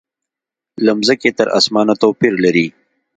له مځکې تر اسمانه توپیر لري.